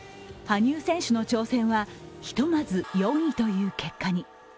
羽生選手の挑戦は、ひとまず４位という結果に。